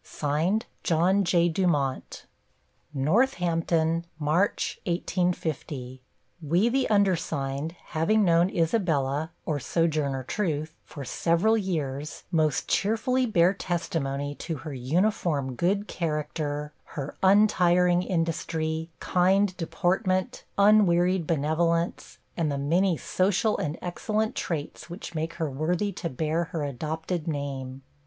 JOHN J. DUMONT NORTHAMPTON, March 1850 We, the undersigned having known Isabella (or Sojourner Truth) for several years, most cheerfully bear testimony to her uniform good character, her untiring industry, kind deportment, unwearied benevolence, and the many social and excellent traits which make her worthy to bear her adopted name.